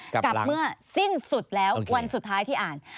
กับเมื่อสิ้นสุดแล้ววันสุดท้ายที่อ่าน